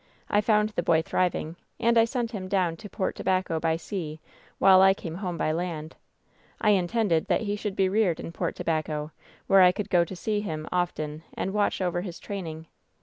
I found the boy thriving, and I sent him down to Port Tobacco by sea while I came home by land. I intended that he should be reared in Port Tobacco, where I could go to see him often and watch over his training.